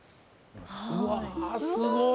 うわすごい。